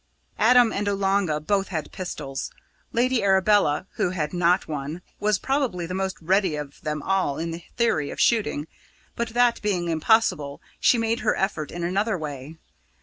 Adam and Oolanga both had pistols; Lady Arabella, who had not one, was probably the most ready of them all in the theory of shooting, but that being impossible, she made her effort in another way.